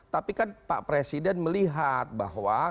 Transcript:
tapi kan pak presiden melihat bahwa